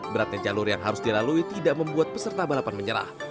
beratnya jalur yang harus dilalui tidak membuat peserta balapan menyerah